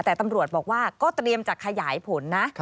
แต่ตำรวจบอกว่าก็เตรียมจะขยายผลนะ